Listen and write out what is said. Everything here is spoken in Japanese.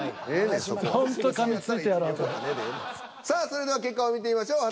それでは結果を見てみましょう。